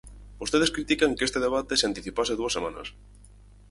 Vostedes critican que este debate se anticipase dúas semanas.